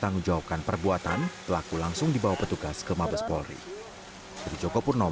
dan kita hanya membantu untuk mengamankan pada saat proses penindakannya